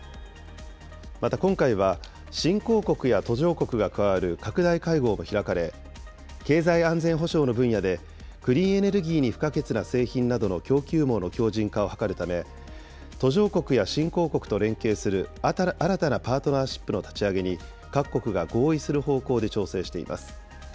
また今回は、新興国や途上国が加わる拡大会合も開かれ、経済安全保障の分野で、クリーンエネルギーに不可欠な製品などの供給網の強じん化を図るため、途上国や新興国と連携する、新たなパートナーシップの立ち上げに、各国が合意する方向で調整しています。